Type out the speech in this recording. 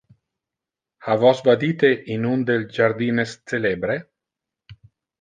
Ha vos vadite in un del jardines celebre?